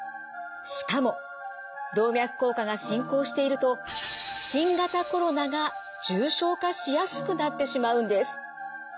しかも動脈硬化が進行していると新型コロナが重症化しやすくなってしまうんです。